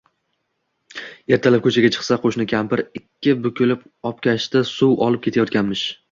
Ertalab ko‘chaga chiqsa, qo‘shni kampir ikki bukilib obkashda suv olib ketayotganmish.